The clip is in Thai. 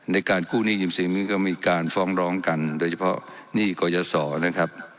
ในการกู้หนี้๒๔นี้ก็มีการฟ้องร้องกันโดยเฉพาะหนี้กรยศรนะครับ